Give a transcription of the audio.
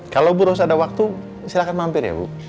kalau bu rosa ada waktu silahkan mampir ya bu